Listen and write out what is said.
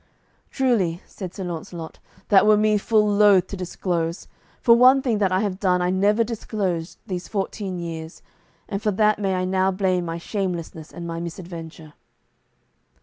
"Truly," said Sir Launcelot, "that were me full loath to disclose, for one thing that I have done I never disclosed these fourteen years, and for that may I now blame my shamelessness and my misadventure."